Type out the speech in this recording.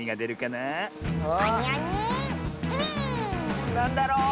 なんだろう？